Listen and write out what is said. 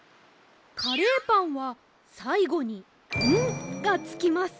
かれーぱんはさいごに「ん」がつきます。